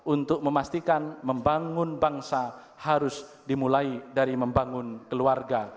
untuk memastikan membangun bangsa harus dimulai dari membangun keluarga